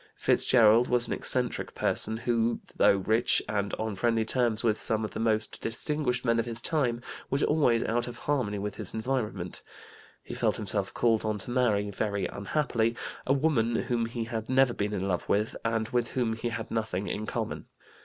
Fitzgerald was an eccentric person who, though rich and on friendly terms with some of the most distinguished men of his time, was always out of harmony with his environment. He felt himself called on to marry, very unhappily, a woman whom he had never been in love with and with whom he had nothing in common.